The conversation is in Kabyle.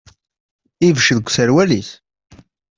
Ibecc deg userwal-is.